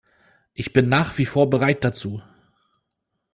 Ich bin nach wie vor bereit dazu.